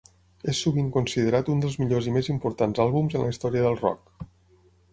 És sovint considerat un dels millors i més importants àlbums en la història del rock.